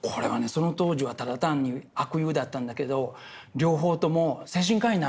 この当時はただ単に悪友だったんだけど両方とも精神科医になるんですよ。